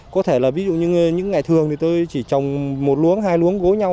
có thể là ví dụ như những ngày thường thì tôi chỉ trồng một luống hai luống gố nhau